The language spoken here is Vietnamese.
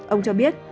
ông cho biết